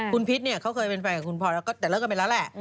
คุณพิษเขาเคยเป็นแฟนกับคุณพลอยแต่เลิกกันไปแล้วแหละ